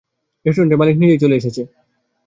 রেস্টুরেন্টের মালিক নিজেই চলে এসেছে।